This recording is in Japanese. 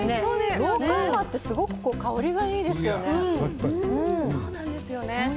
ローカンマってすごく香りがいいですよね。